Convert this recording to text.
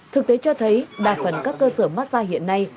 thực tế cho thấy đa phần các cơ sở massage hiện nay